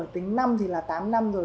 tính năm thì là tám năm rồi